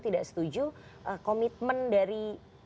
tidak setuju komitmen dari